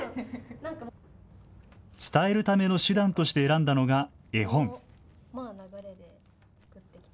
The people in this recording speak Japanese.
伝えるための手段として選んだのが、絵本。